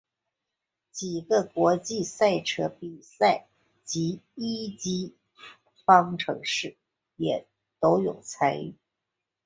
几个国际赛车比赛及一级方程式也都有参与。